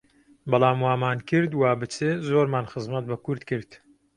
بەڵام وامان کرد، وا بچێ، زۆرمان خزمەت بە کورد کرد